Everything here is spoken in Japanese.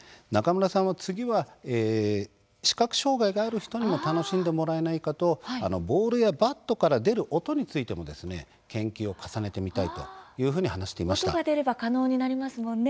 中村さんは次は視覚障害のある人に楽しんでもらえないかとボールやバットから出る音について研究を重ねてみたいと話していました。